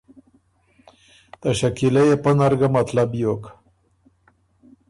ته شکیلۀ يې پۀ نر ګه مطلب بیوک